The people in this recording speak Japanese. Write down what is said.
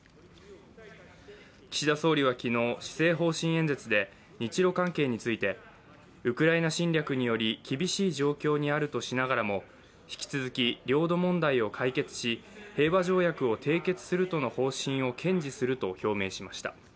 岸田総理は昨日、施政方針演説で日ロ関係についてウクライナ侵略により厳しい状況にあるとしながらも引き続き領土問題を解決し平和条約を締結するとの方針を堅持すると表明しました。